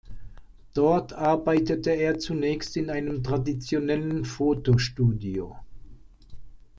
Dort arbeitete er zunächst in einem traditionellen Fotostudio.